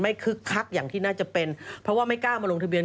คึกคักอย่างที่น่าจะเป็นเพราะว่าไม่กล้ามาลงทะเบียน